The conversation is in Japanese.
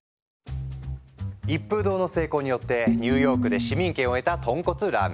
一風堂の成功によってニューヨークで市民権を得た豚骨ラーメン。